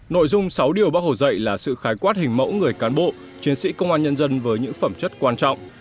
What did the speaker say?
nội dung sáu điều bác hồ dạy là sự khái quát hình mẫu người cán bộ chiến sĩ công an nhân dân với những phẩm chất quan trọng